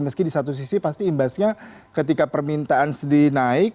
meski di satu sisi pasti imbasnya ketika permintaan sendiri naik